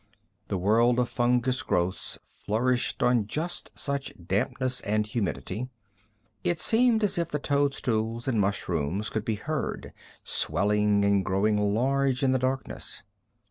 The world of fungus growths flourished on just such dampness and humidity. It seemed as if the toadstools and mushrooms could be heard, swelling and growing large in the darkness.